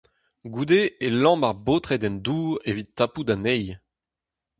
Goude e lamm ar baotred en dour evit tapout anezhi !